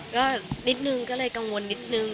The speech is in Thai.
ก็นิดนึงก็เลยกังวลนิดนึง